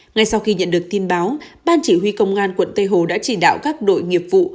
ngay sau khi nhận được tin báo ban chỉ huy công an quận tây hồ đã chỉ đạo các đội nghiệp vụ